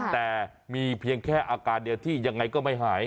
แต่มีเพียงแค่อาการเดียวที่ยังไงก็ไม่หาย